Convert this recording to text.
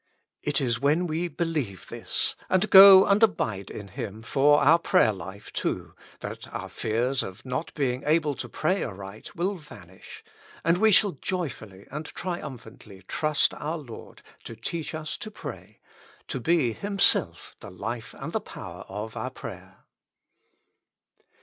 It is when we believe this, and go and abide in Him forour prayer hfe, too, that our fears of not being able to pray aright will vanish, and we shall joyfully and triumphantly trust our Lord to teach us to pray, to be Himself the life and the power of our prayer.